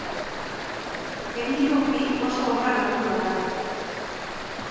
Teknikoki oso obra landua da.